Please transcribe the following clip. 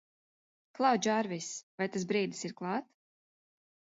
Klau, Džārvis, vai tas brīdis ir klāt?